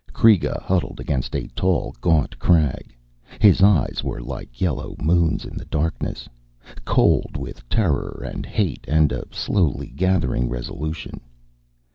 Kreega huddled against a tall gaunt crag. His eyes were like yellow moons in the darkness, cold with terror and hate and a slowly gathering resolution.